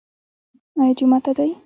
ایا جومات ته ځئ؟